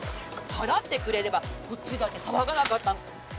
払ってくれればこっちだって騒がなかったのに。